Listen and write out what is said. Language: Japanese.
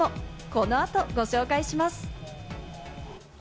この後、ご紹介します。